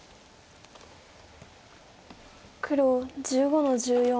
黒１５の十四。